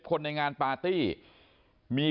๑๐คนในงานปาร์ตี้